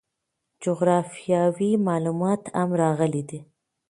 جغرافیوي معلومات هم راغلي دي.